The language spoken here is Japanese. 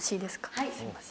はい。